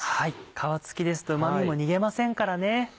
皮付きですとうま味も逃げませんからね。